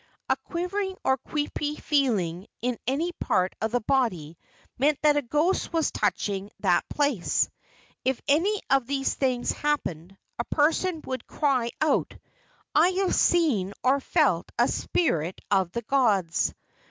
A quivering or creepy feeling in any part of the body meant that a ghost was touching that place. If any of these things happened, a person would cry out, "I have seen or felt a spirit of the gods."